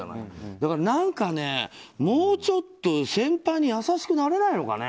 だから何かもうちょっと先輩に優しくなれないのかね。